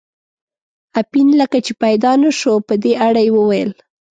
اپین لکه چې پیدا نه شو، په دې اړه یې وویل.